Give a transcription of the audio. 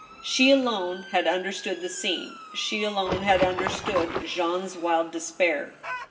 She alone had understood the scene ; she alone had understood Jean's wild despair.